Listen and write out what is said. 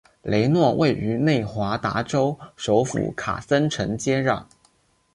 雷诺位于内华达州首府卡森城接壤。